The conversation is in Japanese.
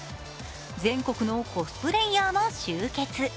全国のコスプレイヤーも集結。